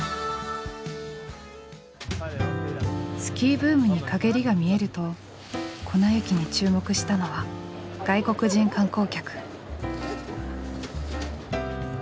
スキーブームに陰りが見えると粉雪に注目したのは外国人観光客。